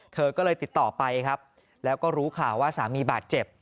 เธอก็เลยติดต่อไปครับแล้วก็รู้ข่าวว่าสามีบาดเจ็บ